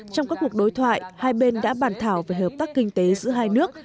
trong các cuộc đối thoại hai bên đã bàn thảo về hợp tác kinh tế giữa hai nước